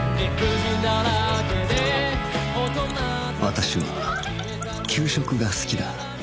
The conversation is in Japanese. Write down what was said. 私は給食が好きだ